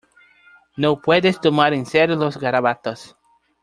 No puedes tomar en serio los garabatos".